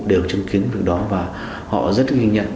đều chứng kiến được đó và họ rất